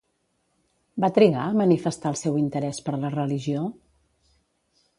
Va trigar a manifestar el seu interès per la religió?